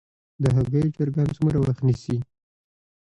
د هګیو چرګان څومره وخت نیسي؟